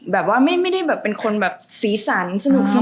แบบว่าไม่ได้เป็นคนสีสันสนุกสนาน